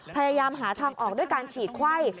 พยายามหาทางออกด้วยการฉีดไข้